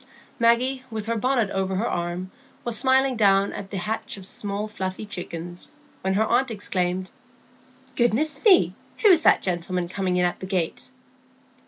Maggie, with her bonnet over her arm, was smiling down at the hatch of small fluffy chickens, when her aunt exclaimed,— "Goodness me! who is that gentleman coming in at the gate?"